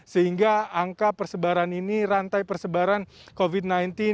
sehingga angka persebaran ini rantai persebaran covid sembilan belas